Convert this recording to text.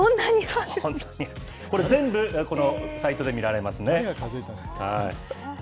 これ、全部このサイトで見られますね。